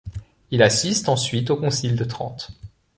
Il assiste ensuite au Concile de Trente.